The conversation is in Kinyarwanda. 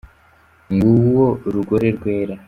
Nguwo rugore rwera